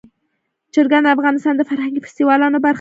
چرګان د افغانستان د فرهنګي فستیوالونو برخه ده.